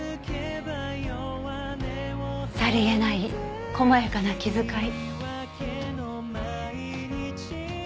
さりげない細やかな気遣い。